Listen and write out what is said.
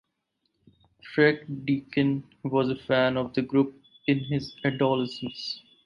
Fred Deakin was a fan of the group in his adolescence.